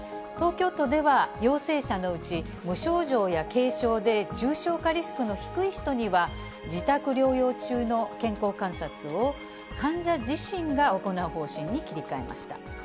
東京都では陽性者のうち、無症状や軽症で、重症化リスクの低い人には、自宅療養中の健康観察を患者自身が行う方針に切り替えました。